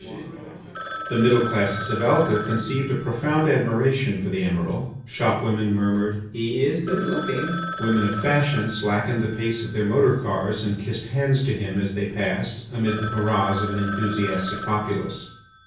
The middle classes of Alca conceived a profound admiration for the Emiral. Shopwomen murmured: "He is good looking." Women of fashion slackened the speed of their motor cars and kissed hands to him as they passed, amidst the hurrahs of an enthusiastic populace.